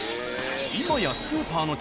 ［今やスーパーの］